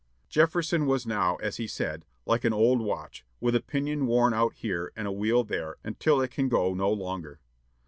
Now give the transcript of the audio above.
Jefferson was now, as he said, "like an old watch, with a pinion worn out here and a wheel there, until it can go no longer."